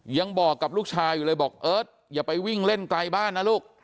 ยังบอกกับลูกชายอยู่เลยบอกเอิร์ทอย่าไปวิ่งเล่นไกลบ้านนะลูก